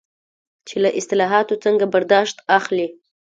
چې له اصطلاحاتو څنګه برداشت اخلي.